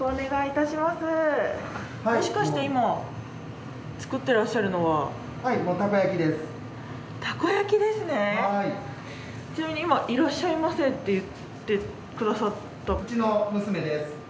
いらっしゃいませって。